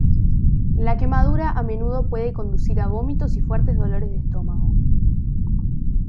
La quemadura a menudo puede conducir a vómitos y fuertes dolores de estómago.